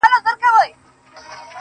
ه بيا به دې څيښلي وي مالگينې اوبه